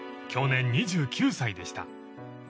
享年２９歳でした］